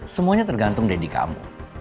semuanya tergantung deddy kamu